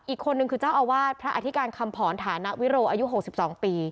อีกคนนึงคือเจ้าอาวาสพระอธิการคำผอนฐานวิโรอายุ๖๒ปี